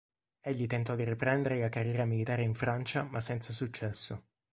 Egli tentò di riprendere la carriera militare in Francia ma senza successo.